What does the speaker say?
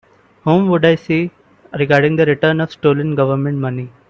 Whom would I see regarding the return of stolen Government money?